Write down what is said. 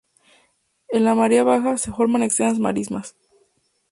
En la marea baja se forman extensas marismas.